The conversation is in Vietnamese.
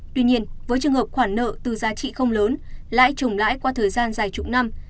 tuy nhiên với trường hợp khoản nợ từ giá trị không lớn lãi chủng lãi qua thời gian dài trụng năm